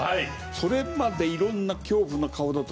それまで色んな恐怖の顔だとか。